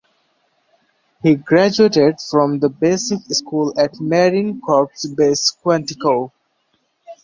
He graduated from The Basic School at Marine Corps Base Quantico.